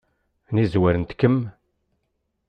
Ɛni zwarent-kem?